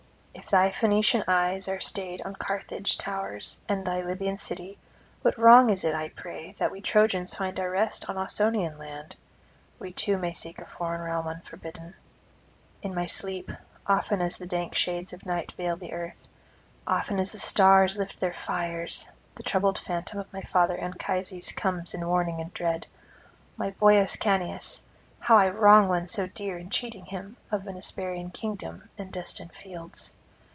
If thy Phoenician eyes are stayed on Carthage towers and thy Libyan city, what wrong is it, I pray, that we Trojans find our rest on Ausonian land? We too may seek a foreign realm unforbidden. In my sleep, often as the dank shades of night veil the earth, often as the stars lift their fires, the troubled phantom of my father Anchises comes in warning and dread; my boy Ascanius, how I wrong one so dear in cheating him of an Hesperian kingdom and destined fields.